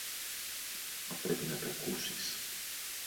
Μα πρέπει να τ' ακούσεις.